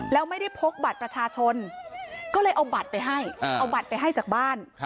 แล้วไม่ได้พกบัตรประชาชนก็เลยเอาบัตรไปให้เอาบัตรไปให้จากบ้าน